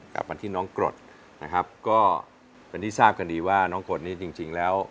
กับบันที่น้องกฎก็เป็นที่ทราบกันดีว่าน้องกฎนี้จริงแล้ว